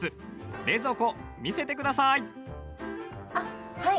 冷蔵庫、見せてください。